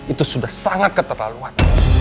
itu sudah sangat keterlaluan